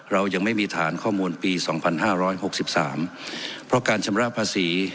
เรายังไม่มีฐานข้อมูลปีสองพันห้าร้อยหกสิบสามเพราะการชำราภาษี